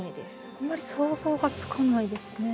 あんまり想像がつかないですね。